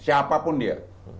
siapa pun dia